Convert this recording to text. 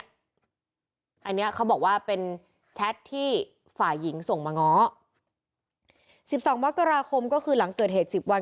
อันนี้เขาบอกว่าเป็นแชทที่ฝ่ายหญิงส่งมาง้อสิบสองมกราคมก็คือหลังเกิดเหตุสิบวัน